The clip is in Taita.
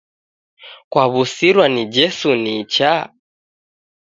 Kwawusirwa ni jesu nicha